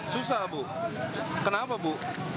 susah bu kenapa bu